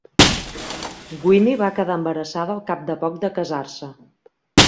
Winnie va quedar embarassada al cap de poc de casar-se.